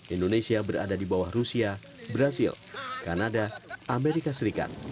indonesia berada di bawah rusia brazil kanada amerika serikat